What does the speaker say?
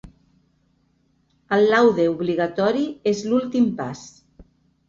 El laude obligatori és l’últim pas.